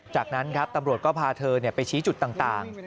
จากนั้นครับตำรวจก็พาเธอไปชี้จุดต่าง